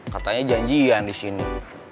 katanya janjian disini